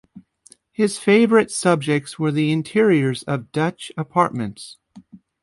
His favourite subjects were the interiors of Dutch apartments.